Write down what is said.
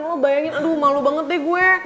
lo bayangin aduh malu banget deh gue